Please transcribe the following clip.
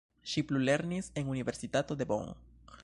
Ŝi plulernis en universitato de Bonn.